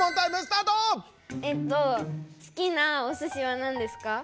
えっと好きなおすしはなんですか？